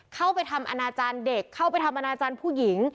เข้าไปทำอนาจารย์เด็กเข้าไปทำอนาจารย์ผู้หญิง